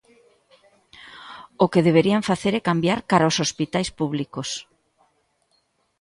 O que deberían facer é cambiar cara aos hospitais públicos.